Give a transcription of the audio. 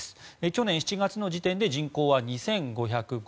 去年７月の時点で人口は２５５２人。